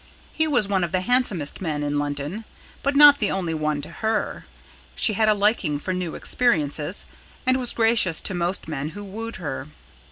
He was one of the handsomest men in London, but not the only one to her. She had a liking for new experiences, and was gracious to most men who wooed her.